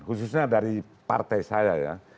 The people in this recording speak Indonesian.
khususnya dari partai saya ya